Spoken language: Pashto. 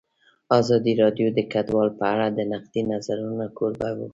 ازادي راډیو د کډوال په اړه د نقدي نظرونو کوربه وه.